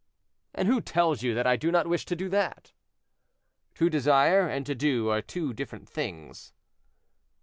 "And who tells you that I do not wish to do that?" "To desire and to do are two different things."